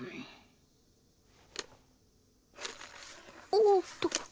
おおっと。